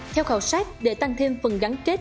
theo khảo sát để tăng thêm phần gắn kết